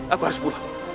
aku harus pulang